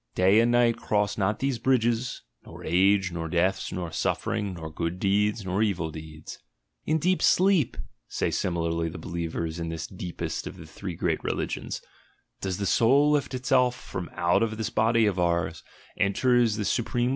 Day and night cross not these bridges, nor ge, nor death, nor suffering, nor good deeds, nor evil eeds." "In deep sleep," say similarly the believers in lis deepest of the three great religions, "does the soul lit itself from out this body of ours, enters the supreme